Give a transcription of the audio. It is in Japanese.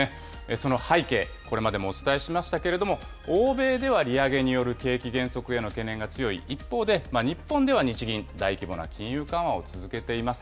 その背景、これまでもお伝えしましたけれども、欧米では利上げによる景気減速への懸念が強い一方で、日本では日銀、大規模な金融緩和を続けています。